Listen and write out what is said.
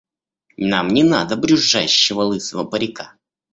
Нам не надо брюзжащего лысого парика!